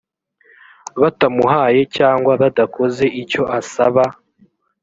batamuhaye cyangwa badakoze icyo asaba